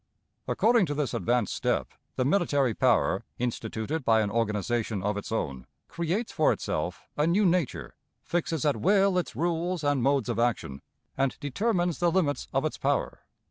According to this advanced step, the military power, instituted by an organization of its own, creates for itself a new nature, fixes at will its rules and modes of action, and determines the limits of its power.